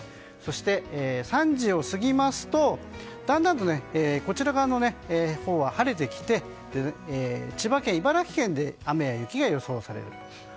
そして３時を過ぎますとだんだんとこちら側は晴れてきて、千葉県、茨城県で雨や雪が予想されると。